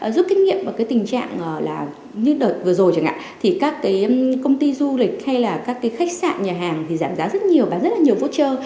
giúp kinh nghiệm vào cái tình trạng là như đợt vừa rồi chẳng hạn thì các cái công ty du lịch hay là các cái khách sạn nhà hàng thì giảm giá rất nhiều và rất là nhiều voucher